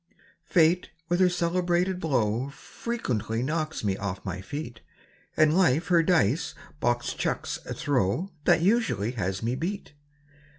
Fate with her celebrated blow Frequently knocks me off my feet; And Life her dice box chucks a throw That usually has me beat.